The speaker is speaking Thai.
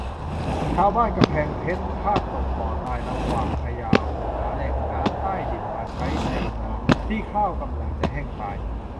ชาวบ้านกำแพงเพชร พลาดตกบ่อตาย ระหว่างพยายามหาแหล่งน้ำใต้ดิน มาใช้ในนาที่ข้าวกำลังจะแห้งตาย